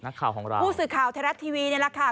นักข่าวของเราผู้สื่อข่าวไทยรัฐทีวีนี่แหละค่ะ